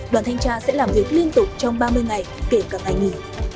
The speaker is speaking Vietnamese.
đoàn thanh tra sẽ làm việc liên tục trong ba mươi ngày kể cả ngày nghỉ